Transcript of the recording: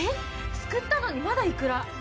すくったのにまだいくら。